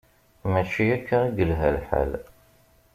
Mačči akka i yella lḥal.